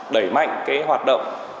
đẩy mạnh cái hoạt động